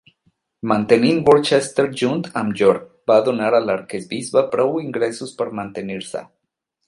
Mantenint Worcester junt amb York va donar a l'arquebisbe prou ingressos per mantenir-se.